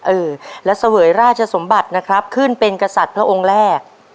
เออและเสวยราชสมบัตินะครับขึ้นเป็นกษัตริย์พระองค์แรก